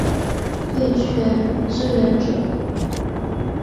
对拳支援者